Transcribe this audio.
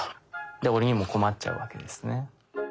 鬼も困っちゃうわけですね。